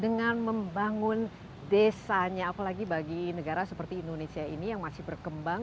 dengan membangun desanya apalagi bagi negara seperti indonesia ini yang masih berkembang